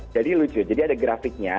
jadi lucu jadi ada grafiknya